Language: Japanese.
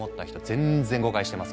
全然誤解してますから。